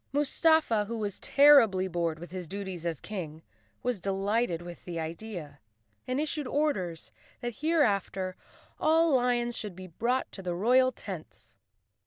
Mustafa, who was terribly bored with his duties as King, was delighted with the idea and issued orders that hereafter all lions should be brought to the royal tents.